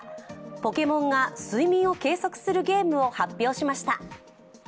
「ポケモン」が睡眠を計測するゲームを発表しました。